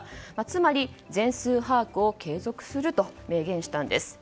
つまり、全数把握を継続すると明言したんです。